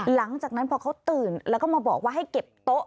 หลังจากนั้นพอเขาตื่นแล้วก็มาบอกว่าให้เก็บโต๊ะ